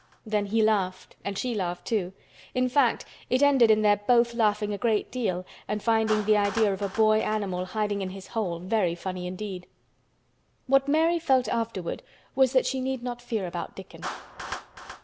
Then he laughed and she laughed too; in fact it ended in their both laughing a great deal and finding the idea of a boy animal hiding in his hole very funny indeed. What Mary felt afterward was that she need not fear about Dickon.